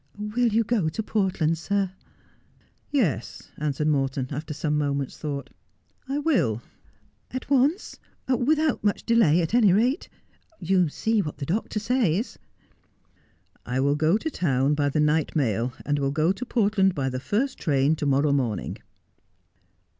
' Will you go to Portland, sir 1 '' Yes,' answered Morton, after some moments' thought, ' I will.' ' At once. Without much delay, at any rate ? You see what the doctor says.' ' I will go to town by the night mail, and will go to Portland by the first train to morrow morning.'